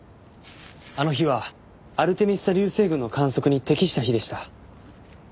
あの日はアルテミス座流星群の観測に適した日でした。